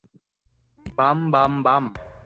বাম, বাম, বাম।